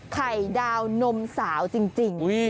ไข่ดาวนมสาวจริง